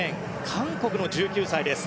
韓国の１９歳です。